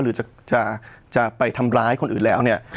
หรือจะไปทำร้ายคนอื่นแล้วเนี่ย